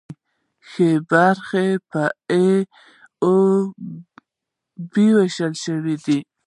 ښي برخه په ای او بي ویشل شوې ده.